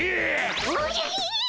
おじゃひ！